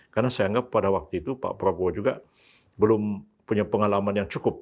karena saya anggap pada waktu itu pak prabowo juga belum punya pengalaman yang cukup